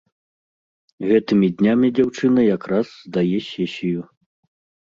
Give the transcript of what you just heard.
Гэтымі днямі дзяўчына якраз здае сесію.